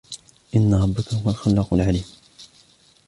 إن ربك هو الخلاق العليم